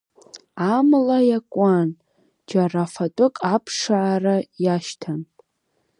Амла иакуан, џьара фатәык аԥшаара иашьҭан.